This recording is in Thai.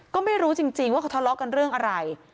ก็ไม่รู้จริงว่าเขาทะเลาะกันเรื่องอะไร